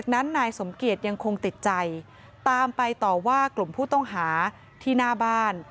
นายสมเกียจยังคงติดใจตามไปต่อว่ากลุ่มผู้ต้องหาที่หน้าบ้าน